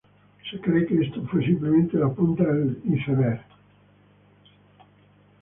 Se cree que esto fue simplemente la punta del Iceberg.